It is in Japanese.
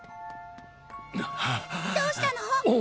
どうしたの？